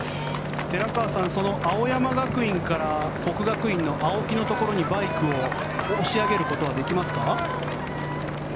寺川さんその青山学院から國學院の青木のところにバイクを押し上げることはできますか。